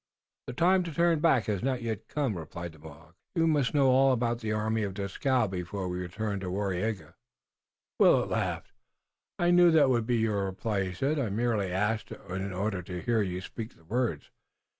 "The time to turn back has not yet come," replied the Mohawk. "We must know all about the army of Dieskau before we return to Waraiyageh." Willet laughed. "I knew that would be your reply," he said. "I merely asked in order to hear you speak the words.